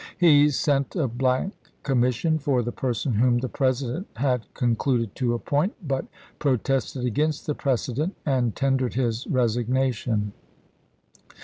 He sent a blank commission for the person whom the President had concluded to appoint, but pro tested against the precedent, and tendered his resig nation.